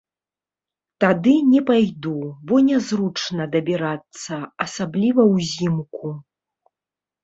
Туды не пайду, бо нязручна дабірацца, асабліва ўзімку.